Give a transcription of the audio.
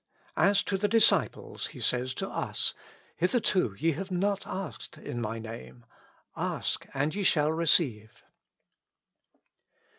As to the disciples, He says to us, " Hitherto ye have not asked in my Name : ask, and ye shall receive."